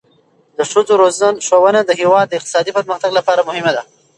د ښځو ښوونه د هیواد د اقتصادي پرمختګ لپاره مهمه ده.